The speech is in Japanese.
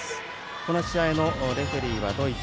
この試合のレフェリーはドイツ。